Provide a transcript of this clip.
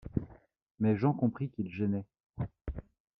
Mais Jean comprit qu’il gênait.